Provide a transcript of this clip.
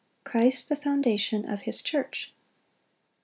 Christ the foundation of his church.